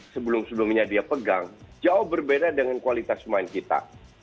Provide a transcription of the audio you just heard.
sebelumnya dia pegang jauh berbeda dengan kualitas main kita